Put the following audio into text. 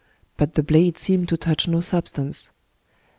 But the blade seemed to touch no substance.